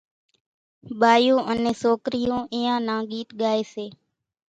ٻايوُن انين سوڪرِيوُن اينيان نان ڳيت ڳائيَ سي۔